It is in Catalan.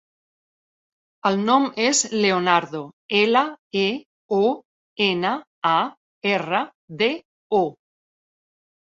El nom és Leonardo: ela, e, o, ena, a, erra, de, o.